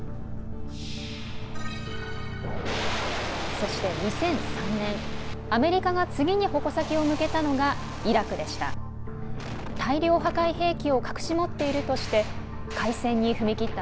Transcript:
そして２００３年、アメリカが次に矛先を向けたのがイラクでした。